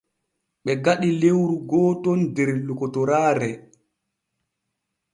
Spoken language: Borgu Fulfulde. Ɓe gaɗi lewru gooton der lokotoraare.